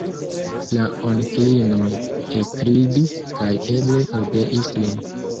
La onklinoj ekridis kaj eble obeis lin.